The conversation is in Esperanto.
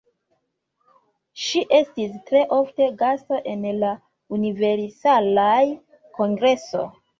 Ŝi estis tre ofta gasto en la Universalaj Kongresoj.